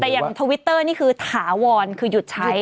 แต่อย่างทวิตเตอร์นี่คือถาวรคือหยุดใช้